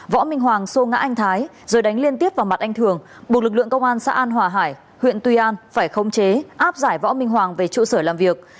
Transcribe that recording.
võ minh hoàng xô ngã anh thái rồi đánh liên tiếp vào mặt anh thường buộc lực lượng công an xã an hòa hải huyện tuy an phải khống chế áp giải võ minh hoàng về trụ sở làm việc